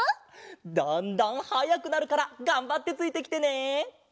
だんだんはやくなるからがんばってついてきてね！